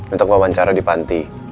untuk wawancara di panti